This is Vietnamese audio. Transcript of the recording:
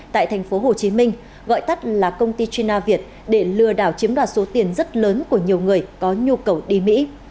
tại thành phố hồ chí minh gọi tắt là công ty china việt để lừa đảo chiếm đoạt số tiền rất lớn của nhiều người có nhu cầu đi mỹ